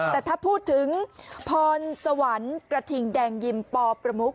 แต่ถ้าพูดถึงพรสวรรค์กระทิงแดงยิมปประมุก